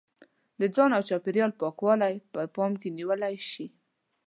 د ځان او چاپېریال پاکوالی په پام کې ونیول شي.